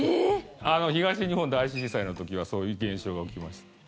東日本大震災の時はそういう現象が起きました。